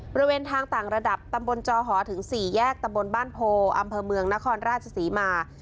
บริเวณทางต่างระดับตำบลจอหอถึง๔แยกตำบลบ้านโพอำเภอเมืองนครราชศรีมา